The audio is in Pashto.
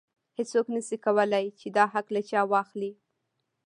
هیڅوک نشي کولی چې دا حق له چا واخلي.